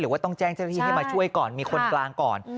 ว่าต้องแจ้งเจ้าหน้าที่ให้มาช่วยก่อนมีคนกลางก่อน